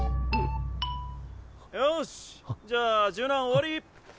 よしじゃあ柔軟終わり。